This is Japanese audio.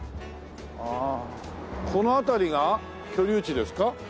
この辺りが居留地ですか？